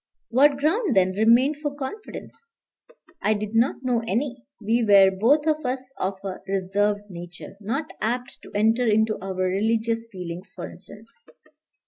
What ground, then, remained for confidence? I did not know any. We were both of us of a reserved nature, not apt to enter into our religious feelings, for instance.